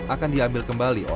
akan diambil kembali